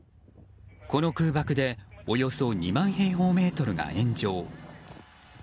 この空爆でおよそ２万平方メートルが炎上。